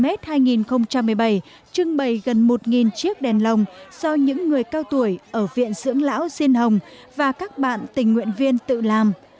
lễ hội đèn lồng hand project hai nghìn một mươi bảy trưng bày gần một chiếc đèn lồng do những người cao tuổi ở viện dưỡng lão diên hồng và các bạn tình nguyện viên tự làm